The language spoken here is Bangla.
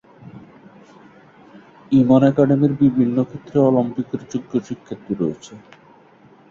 ইমান একাডেমির বিভিন্ন ক্ষেত্রে অলিম্পিকের যোগ্য শিক্ষার্থী রয়েছে।